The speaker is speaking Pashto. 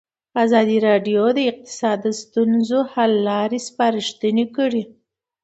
ازادي راډیو د اقتصاد د ستونزو حل لارې سپارښتنې کړي.